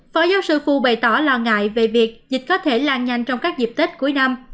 phó giáo sư phù bày tỏ lo ngại về việc dịch có thể lan nhanh trong các dịp tết cuối năm